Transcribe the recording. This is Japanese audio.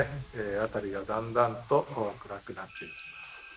辺りがだんだんと暗くなっていきます。